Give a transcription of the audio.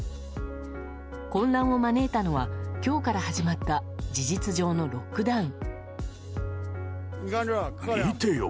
混乱を招いたのは今日から始まった事実上のロックダウン。